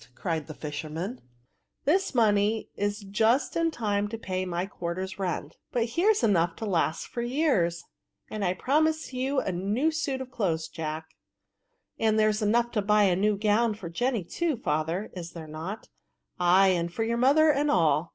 cried the fisherman; *' this money is just in time to pay my quarterns rent; but here's enough to last VfiEB6. 65 for years ; and I promise you a new suit of clothes^ Jack." " And there's enough to buy a new gown for J^iny too^ father, is there not ?"" Ay, and for your mother and all."